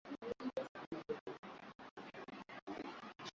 na jeshi la polisi nchini yemen lawasambaratisha maelfu ya waandamanaji